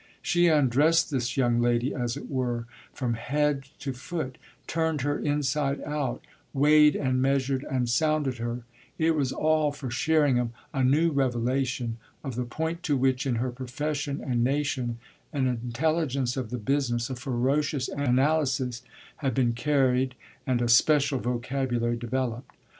She undressed this young lady, as it were, from head to foot, turned her inside out, weighed and measured and sounded her: it was all, for Sherringham, a new revelation of the point to which, in her profession and nation, an intelligence of the business, a ferocious analysis, had been carried and a special vocabulary developed.